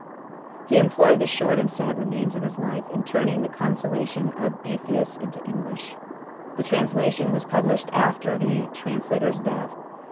He employed the short and sad remains of his life in turning the Consolation of Boethius into English. The translation was published after the translator's death.